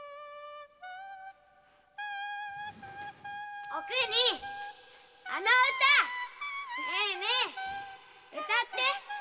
〔お邦あの歌ねえねえ歌って！〕